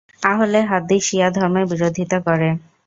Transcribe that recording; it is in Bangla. আহলে হাদিস শিয়া ধর্মের বিরোধিতা করে।